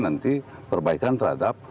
nanti perbaikan terhadap